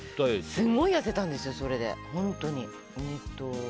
すごい痩せたんですよそれで。